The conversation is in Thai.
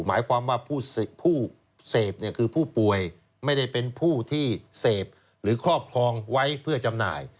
หมายความว่าผู้เสพเนี่ยคือผู้ป่วยไม่ได้เป็นผู้ที่เสพหรือครอบครองไว้เพื่อจำหน่าย